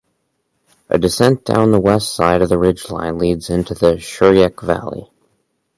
A descent down the west side of the ridgeline leads into the Shuryek valley.